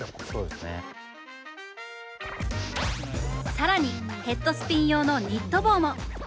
更にヘッドスピン用のニット帽も！